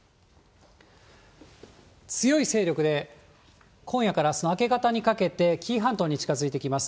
強い勢力で今夜からあすの明け方にかけて、紀伊半島に近づいてきます。